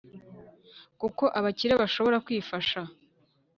kuko abakire bashobora kwifasha